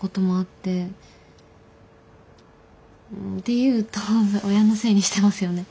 って言うと親のせいにしてますよね。